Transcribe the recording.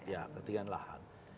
ya ketinggian lahan